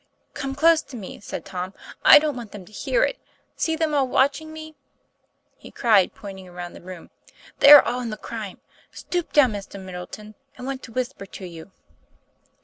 "Come close to me," said Tom, 'I don't want them to hear it. See them all watching me," he cried, pointing around the room. 'They are all in the crime. Stoop down, Mr. Middleton, I want to whisper to you."